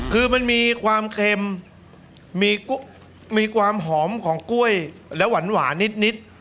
คือมันมีความเค็มมีความหอมของกล้วยแล้วหวานนิด